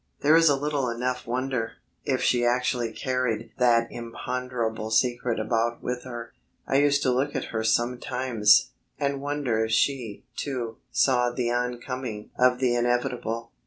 There is little enough wonder, if she actually carried that imponderable secret about with her. I used to look at her sometimes, and wonder if she, too, saw the oncoming of the inevitable.